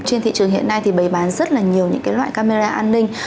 trên thị trường hiện nay thì bày bán rất là nhiều những cái loại camera an ninh